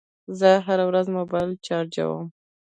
زه هره ورځ موبایل چارجوم.